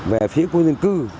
về phía khu dân cư